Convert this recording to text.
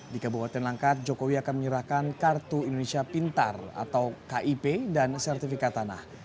di kabupaten langkat jokowi akan menyerahkan kartu indonesia pintar atau kip dan sertifikat tanah